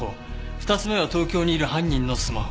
２つ目は東京にいる犯人のスマホ。